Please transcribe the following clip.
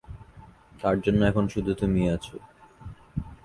তার জন্য এখন শুধু তুমিই আছ।